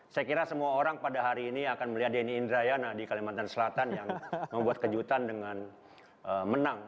saya kira semua orang pada hari ini akan melihat denny indrayana di kalimantan selatan yang membuat kejutan dengan menang